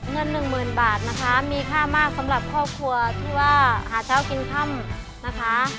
หนึ่งหมื่นบาทนะคะมีค่ามากสำหรับครอบครัวที่ว่าหาเช้ากินค่ำนะคะ